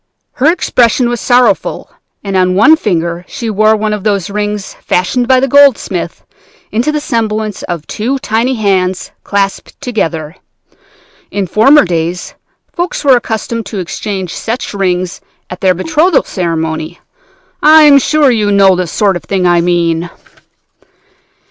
Her expression was sorrowful, and on one finger she wore one of those rings fashioned by the goldsmith into the semblance of two tiny hands clasped together. In former days folks were accustomed to exchange such rings at their betrothal ceremony. I am sure you know the sort of thing I mean.